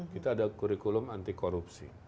kita ada kurikulum anti korupsi